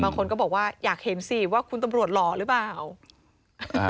บางคนก็บอกว่าอยากเห็นสิว่าคุณตำรวจหล่อหรือเปล่า